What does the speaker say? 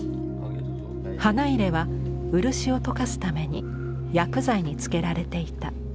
花入は漆を溶かすために薬剤につけられていた。